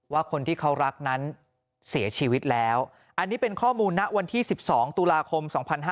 คนที่เขารักนั้นเสียชีวิตแล้วอันนี้เป็นข้อมูลณวันที่๑๒ตุลาคม๒๕๕๙